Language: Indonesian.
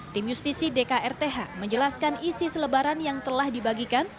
tim justisi dkrth menjelaskan isi selebaran yang telah dibagikan